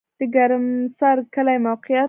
د ګرمسر کلی موقعیت